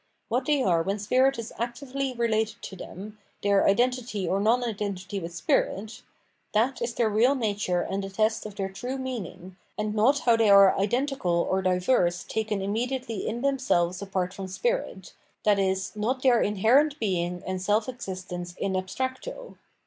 What they are when spirit is actively related to them, their identity or non identity with spirit, — that is their real nature and the test of their true meaning, and not how they are identical or diverse taken immediately in them selves apart from spirit, i.e. not their inherent being and self existence in abstracto.